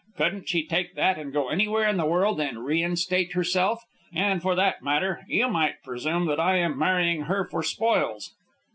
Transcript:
Couldn't she take that and go anywhere in the world and reinstate herself? And for that matter, you might presume that I am marrying her for spoils.